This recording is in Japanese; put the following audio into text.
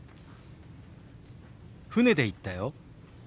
船で行ったよ。